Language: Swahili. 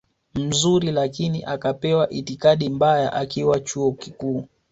mzuri lakini akapewa itikadi mbaya akiwa chuo kikuu